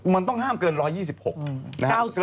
มันต้องห้ามเกิน๑๒๖